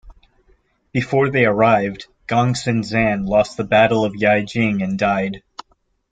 Before they arrived, Gongsun Zan lost the Battle of Yijing and died.